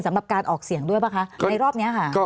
สำหรับการออกเสียงด้วยป่ะคะในรอบนี้ค่ะ